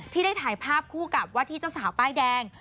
ที่ได้ถ่ายภาพคู่กับว่าที่เจ้าสาวป้ายแดง